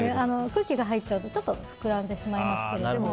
空気が入っちゃうとちょっと膨らんでしまいますけれども。